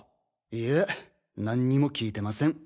いえ何にも聞いてません。